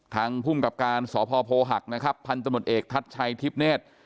ทางผู้กับการสพโภหักนะครับพันธมตเอกทัศน์ชัยทิพเนท